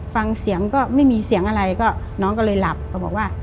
ฟังเสียงก็ไม่มีเสียงอะไรก็น้องก็เลยหลับก็บอกว่า